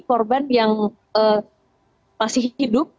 korban yang masih hidup